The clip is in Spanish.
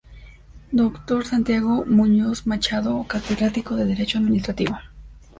Dr. Santiago Muñoz Machado, Catedrático de Derecho Administrativo.